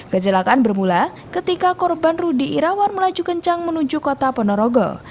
kecelakaan bermula ketika korban rudy irawan melaju kencang menuju kota ponorogo